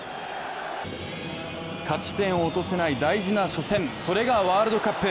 勝ち点を落とせない大事な初戦、それがワールドカップ。